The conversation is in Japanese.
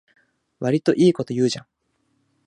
わりといいこと言うじゃん